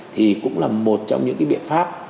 thì cũng là một trong những cái biện pháp